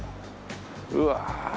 うわ！